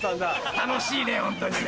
楽しいねホントにね。